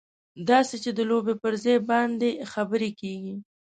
داسې چې د لوبې پر ځای باندې خبرې کېږي.